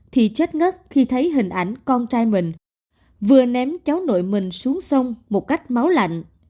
thì chết ngất khi thấy hình ảnh con trai mình vừa ném cháu nội mình xuống sông một cách máu lạnh